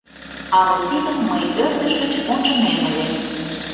А вот тидым мый ӧрдыж гыч ончынем ыле!